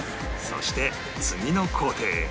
そして次の工程へ